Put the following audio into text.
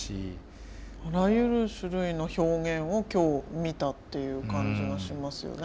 あらゆる種類の表現を今日見たっていう感じがしますよね